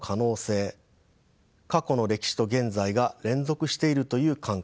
過去の歴史と現在が連続しているという感覚